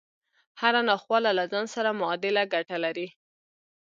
هره ناخواله له ځان سره معادل ګټه لري